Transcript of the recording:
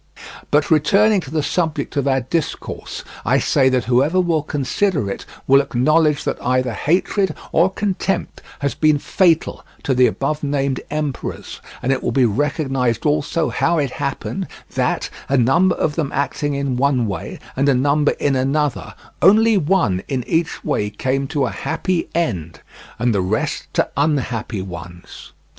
But returning to the subject of our discourse, I say that whoever will consider it will acknowledge that either hatred or contempt has been fatal to the above named emperors, and it will be recognized also how it happened that, a number of them acting in one way and a number in another, only one in each way came to a happy end and the rest to unhappy ones.